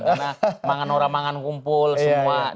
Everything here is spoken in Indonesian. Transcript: karena manganora mangan kumpul semua